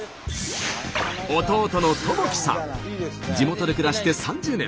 地元で暮らして３０年。